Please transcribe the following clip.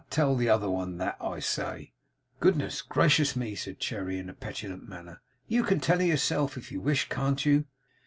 Tell the other one that I say!' 'Good gracious me!' said Cherry, in a petulant manner. 'You can tell her yourself, if you wish, can't you?